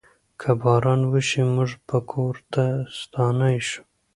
که باران وشي، موږ به کور ته ستانه شو.